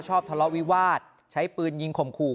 ทะเลาะวิวาสใช้ปืนยิงข่มขู่